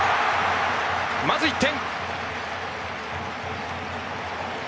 まず１点。